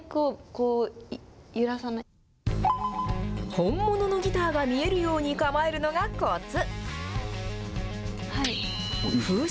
本物のギターが見えるように構えるのがこつ。